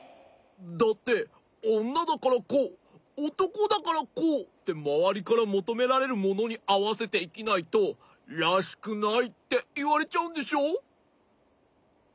だっておんなだからこうおとこだからこうってまわりからもとめられるものにあわせていきないと「らしくない！」っていわれちゃうんでしょ？